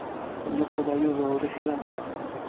Ur d-iquḍeɛ Yuba ula kra.